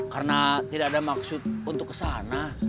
karena tidak ada maksud untuk kesana